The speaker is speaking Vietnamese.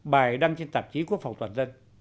bài đăng trên tạp chí quốc phòng toàn dân